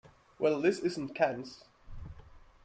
Well, this isn't Cannes.